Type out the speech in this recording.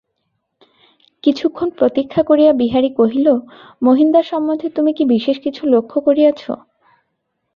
কিছুক্ষণ প্রতীক্ষা করিয়া বিহারী কহিল, মহিনদার সম্বন্ধে তুমি কি বিশেষ কিছু লক্ষ্য করিয়াছ।